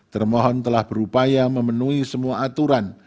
termohon telah berupaya memenuhi semua aturan